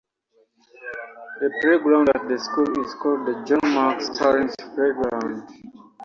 The playground at the school is called the John Mark Stallings Playground.